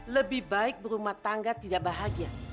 lebih baik berumah tangga tidak bahagia